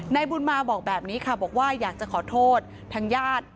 นายบุญมาบอกแบบนี้ค่ะบอกว่าอยากจะขอโทษทางญาติ